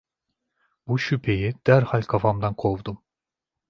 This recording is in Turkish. Bu şüpheyi derhal kafamdan kovdum.